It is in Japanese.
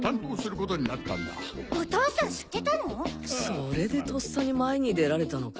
それでとっさに前に出られたのか